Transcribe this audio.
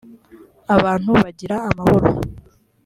abantu bagira amahoro